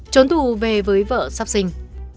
trốn tù về với vợ sắp sinh